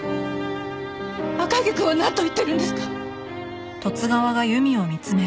赤池くんはなんと言ってるんですか？